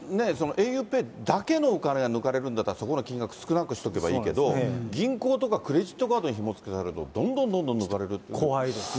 ａｕＰＡＹだけのお金が抜かれるんだったら、そこのお金少なくしとけばいいけど、銀行とかクレジットカードにひもづけされると、どんどんどんどん怖いですね。